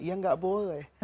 iya enggak boleh